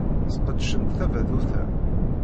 Sqedcent tadabut-a.